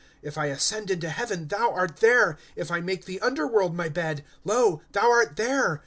^ If I ascend into heaven, ihou art there ; If I make the underworld my bed, lo thou art there.